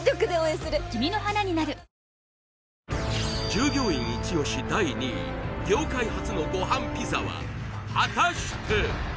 従業員イチ押し第２位業界初のごはんピザは果たして！？